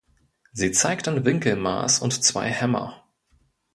Sie zeigt ein Winkelmaß und zwei Hämmer.